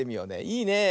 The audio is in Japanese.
いいねえ。